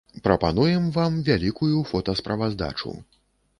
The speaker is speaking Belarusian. Прапануем вам вялікую фотасправаздачу.